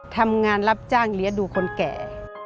ทำงานรับจ้างเลี้ยงดูคนแก่